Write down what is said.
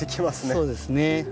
そうですね。